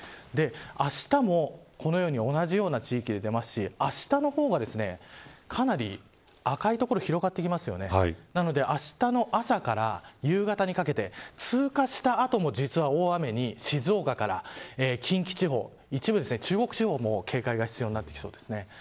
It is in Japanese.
あしたも、このように同じような地域で出ますしあしたの方がかなり赤い所が広がってきますよねなので、あしたの朝から夕方にかけて通過した後も、実は大雨に静岡から近畿地方一部、中国地方も警戒が必要になってきそうです。